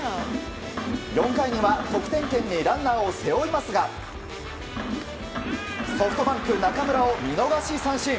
４回には得点圏にランナーを背負いますがソフトバンク、中村を見逃し三振。